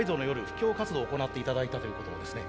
布教活動を行って頂いたということですね。